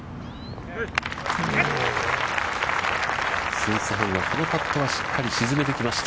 スンス・ハンは、このパットはしっかり沈めてきました。